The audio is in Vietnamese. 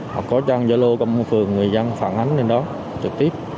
hoặc có trang gia lô công an phường người dân phản ánh lên đó trực tiếp